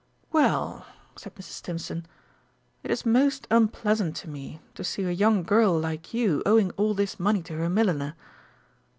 "Well," said Mrs. Stimpson, "it is most unpleasant to me to see a young girl like you owing all this money to her milliner."